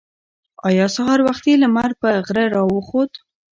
ایا سهار وختي لمر په غره راوخوت؟